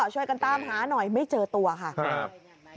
ช่วยกันตามหาหน่อยไม่เจอตัวค่ะครับ